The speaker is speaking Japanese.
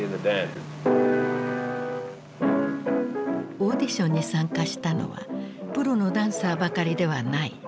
オーディションに参加したのはプロのダンサーばかりではない。